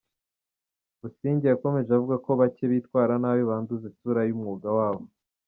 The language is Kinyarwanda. Busingye yakomeje avuga ko bake bitwara nabi banduza isura y’umwuga wabo.